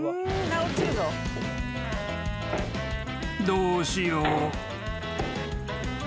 ［どうしよう？］